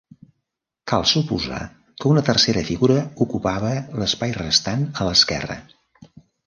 Cal suposar que una tercera figura ocupava l'espai restant a l'esquerra.